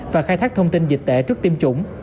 và khai thác thông tin dịch tệ trước tiêm chủng